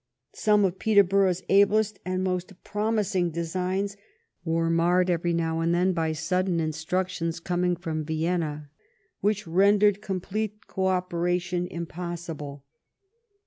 Some of Peterborough's ablest and most promising designs were marred every now and then by sudden instructions coming from Vienna which rendered complete co operation impossible.